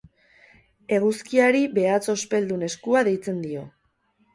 Eguzkiari behatz ospeldun eskua deitzen dio.